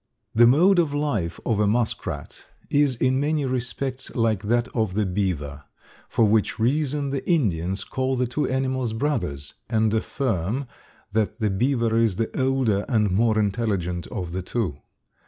The mode of life of a muskrat is in many respects like that of the beaver, for which reason the Indians call the two animals brothers, and affirm that the beaver is the older and more intelligent of the two.